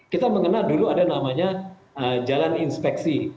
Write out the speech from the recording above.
kita mengenal dulu ada namanya jalan inspeksi